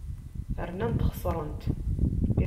Rnant xesrent.